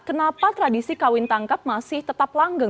kenapa tradisi kawin tangkap masih tetap langgeng